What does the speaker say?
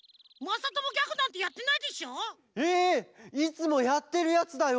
いつもやってるやつだよ。